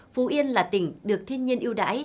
phú yên là tỉnh được thiên nhiên yêu đáy